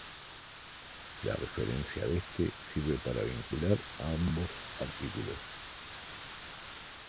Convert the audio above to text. La referencia de este sirve para vincular ambos artículos.